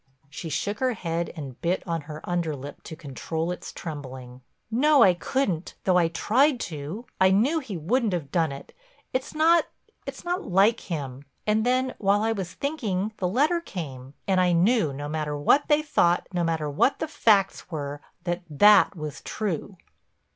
She shook her head and bit on her underlip to control its trembling. "No—I couldn't, though I tried to. I knew he wouldn't have done it—it's not—it's not—like him. And then while I was thinking the letter came, and I knew, no matter what they thought, no matter what the facts were, that that was true."